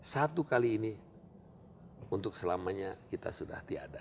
satu kali ini untuk selamanya kita sudah tiada